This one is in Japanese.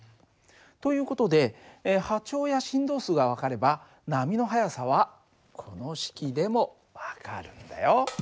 という事で波長や振動数が分かれば波の速さはこの式でも分かるんだよ。